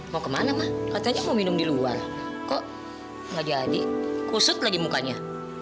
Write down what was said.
sampai jumpa di video selanjutnya